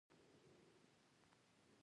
تل رښتیا وایه چی قسم ته اړتیا پیدا نه سي